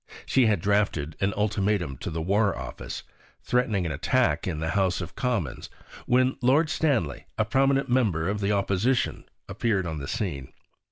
She had drafted an ultimatum to the War Office, threatening an attack in the House of Commons, when Lord Stanley, a prominent member of the Opposition, appeared on the scene.